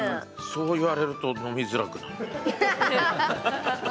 そう言われると飲みづらくなるな。